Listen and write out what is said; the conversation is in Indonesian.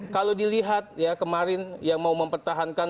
kalau dilihat ya kemarin yang mau mempertahankan